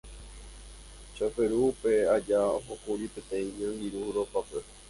Choperu upe aja ohókuri peteĩ iñangirũ rópape.